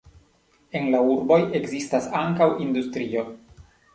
En la urboj ekzistas ankaŭ industrio.